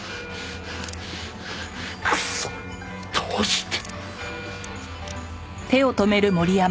クソッどうして。